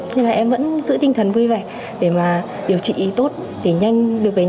nhưng em vẫn giữ tinh thần vui vẻ